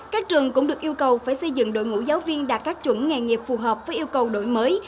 các trường cũng được yêu cầu phải xây dựng đội ngũ giáo viên đạt các chuẩn nghề nghiệp phù hợp với yêu cầu đổi mới